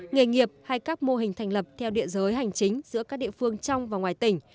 nghề nghiệp hay các mô hình thành lập theo địa giới hành chính giữa các địa phương trong và ngoài tỉnh